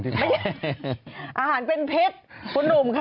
อาหารเป็นพิษคุณหนุ่มคะ